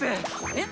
えっ